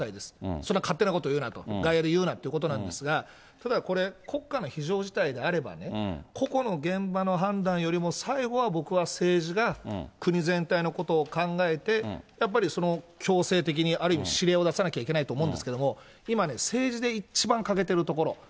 それは勝手なこと言うなと、外野で言うなということなんですが、ただこれ、国家の非常事態であればね、個々の現場の判断よりも、最後は僕は政治が国全体のことを考えて、やっぱり強制的にある意味、指令を出さないといけないと思うんですけど、今ね、政治で一番欠けてるところ。